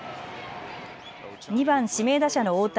２番・指名打者の大谷。